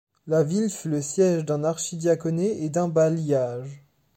La ville fut le siège d'un archidiaconé et d'un bailliage.